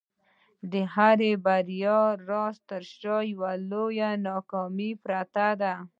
د هري بریا راز تر شا یوه لویه ناکامي پرته ده.